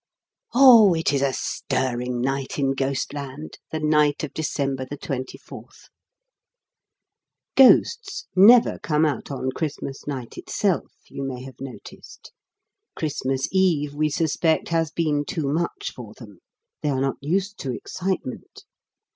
Oh, it is a stirring night in Ghostland, the night of December the twenty fourth! Ghosts never come out on Christmas night itself, you may have noticed. Christmas Eve, we suspect, has been too much for them; they are not used to excitement.